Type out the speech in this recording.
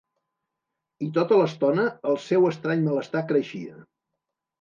I tota l'estona, el seu estrany malestar creixia.